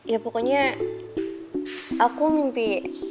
ya pokoknya aku mimpi